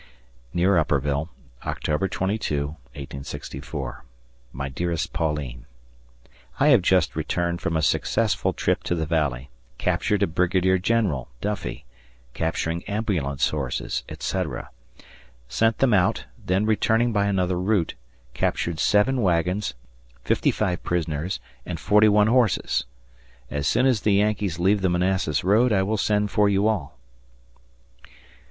Near Upperville, Oct. 22, '64. My dearest Pauline: I have just returned from a successful trip to the valley, captured a brigadier general (Duffie), capturing ambulance horses, etc. Sent them out, then returning by another route, captured seven wagons, fifty five prisoners, and forty one horses. As soon as the Yankees leave the Manassas road I will send for you all.